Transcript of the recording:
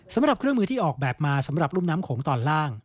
สำหรับเครื่องมือที่ออกแบบมาสำหรับรุ่มน้ำโขงตอนล่าง